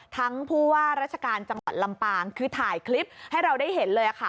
ผู้ว่าราชการจังหวัดลำปางคือถ่ายคลิปให้เราได้เห็นเลยค่ะ